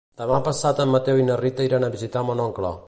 Demà passat en Mateu i na Rita iran a visitar mon oncle.